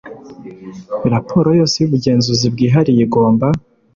raporo yose y ubugenzuzi bwihariye igomba